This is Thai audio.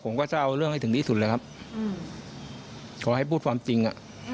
ก็จะเอาเรื่องให้ถึงที่สุดเลยครับขอให้พูดความจริงอ่ะ